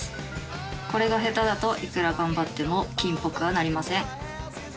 これが下手だといくら頑張っても金っぽくはなりません。